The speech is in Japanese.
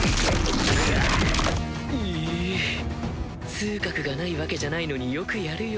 痛覚がないわけじゃないのによくやるよ。